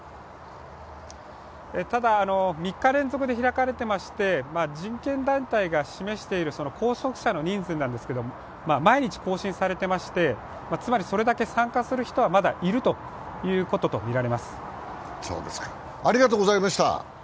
ただ、３日連続で開かれてまして、人権団体が示している拘束者の人数なんですけれども、毎日更新されていましてつまりそれだけ参加する人は、まだいるということとみられます。